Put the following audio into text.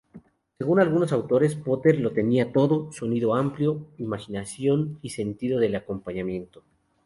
Según algunos autores, Potter lo tenía todo: Sonido amplio, imaginación y sentido del acompañamiento.